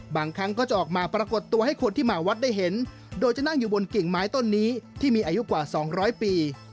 บางครั้งก็จะออกมาปรากฏตัวให้คนที่มาวัดได้เห็นโดยจะนั่งอยู่บนกิ่งไม้ต้นนี้ที่มีอายุกว่า๒๐๐ปี